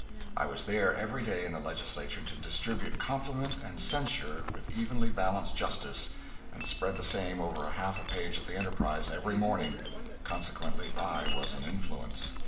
I was there every day in the legislature to distribute compliment and censure with evenly balanced justice and spread the same over half a page of the "Enterprise" every morning, consequently I was an influence.